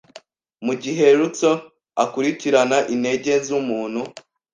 Mu gihe Luxon akurikirana inenge z'umuntu